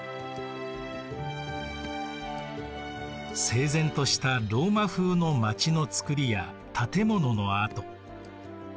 整然としたローマ風の街のつくりや建物の跡。